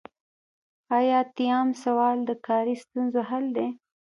ایاتیام سوال د کاري ستونزو حل دی.